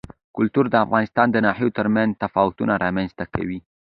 کلتور د افغانستان د ناحیو ترمنځ تفاوتونه رامنځ ته کوي.